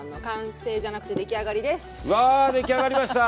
わ出来上がりました。